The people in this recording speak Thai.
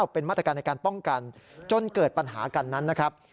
เป็นมาตรการในการป้องกันจนเกิดปัญหากันนั้นนะครับ